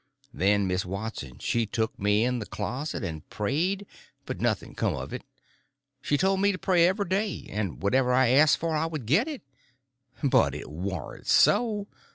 Then Miss Watson she took me in the closet and prayed, but nothing come of it. She told me to pray every day, and whatever I asked for I would get it. But it warn't so.